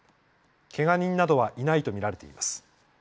けが人などはいないと見られています。